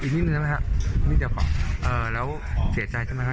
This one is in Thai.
นี่หนึ่งนะครับนี่เดี๋ยวก่อนเอ่อแล้วเสียใจใช่ไหมครับ